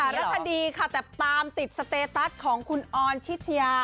ไม่ได้เป็นสารคดีค่ะแต่ตามติดสเตตัสของคุณออนชิชยา